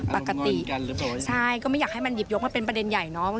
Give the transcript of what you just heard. ปกติใช่ก็ไม่อยากให้มันหยิบยกมาเป็นประเด็นใหญ่เนาะ